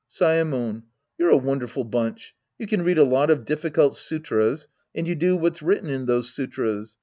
Saemon. You're a wonderful bunch. You can read a lot of difficult sutras. And you do what's written in those sutras.